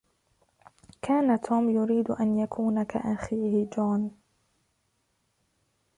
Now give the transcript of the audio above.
كان توم يريد أن يكون كأخيه جون.